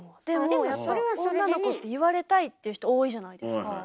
でもやっぱ女の子って言われたいっていう人多いじゃないですか。